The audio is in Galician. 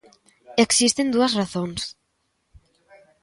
Existen dúas razóns.